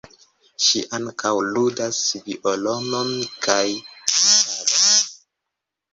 Ŝi ankaŭ ludas violonon kaj gitaron.